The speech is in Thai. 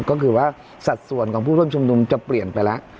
ก็คือว่าสัดส่วนของผู้ร่วมชุมนุมจะเปลี่ยนไปแล้ว